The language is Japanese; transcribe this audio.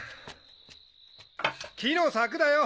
木の柵だよ